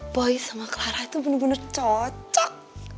boy sama clara itu benar benar cocok